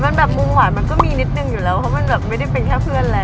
มันแบบมุมหวานมันก็มีนิดนึงอยู่แล้วเพราะมันแบบไม่ได้เป็นแค่เพื่อนแล้ว